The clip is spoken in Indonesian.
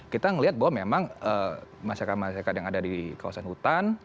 kita melihat bahwa memang masyarakat masyarakat yang ada di kawasan hutan